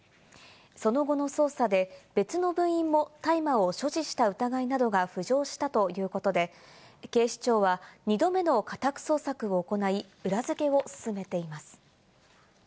その後の捜査で、別の部員も大麻を所持した疑いなどが浮上したということで、警視庁は２度目の家宅捜索を行い、裏付けを進めています。